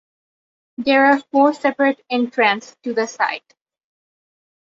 There are four separate entrances to the site.